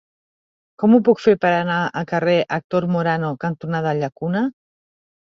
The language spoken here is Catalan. Com ho puc fer per anar al carrer Actor Morano cantonada Llacuna?